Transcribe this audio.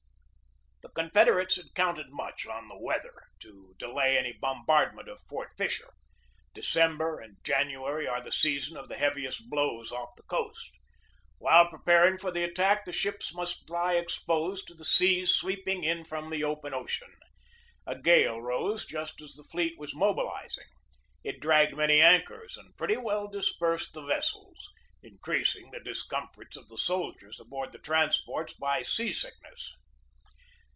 The Confederates had counted much on the weather to delay any bombardment on Fort Fisher. December and January are the season of the heavi est blows off the coast. While preparing for the attack the ships must lie exposed to the seas sweep ing in from the open ocean. A gale rose just as the fleet was mobilizing. It dragged many anchors and pretty well dispersed the vessels, increasing the dis comforts of the soldiers aboard the transports by sea sickness.